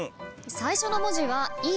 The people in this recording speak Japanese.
最初の文字は「い」